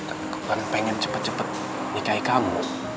aku kan pengen cepat cepat nikahi kamu